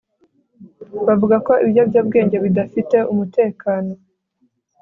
Bavuga ko ibiyobyabwenge bidafite umutekano